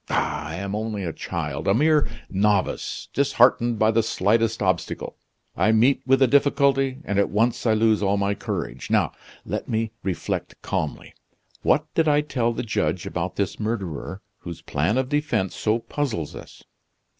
Ah! I am only a child, a mere novice, disheartened by the slightest obstacle. I meet with a difficulty, and at once I lose all my courage. Now, let me reflect calmly. What did I tell the judge about this murderer, whose plan of defense so puzzles us?